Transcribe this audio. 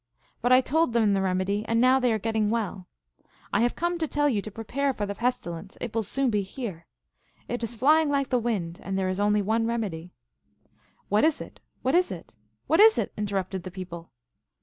But I told them the remedy, and now they are getting well. I have come to tell you to prepare for the pestilence : it will soon be here ; it is flying like the wind, and there is only one remedy." " What is it? what is it? what is it?" interrupted the people.